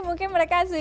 iya mungkin mereka sih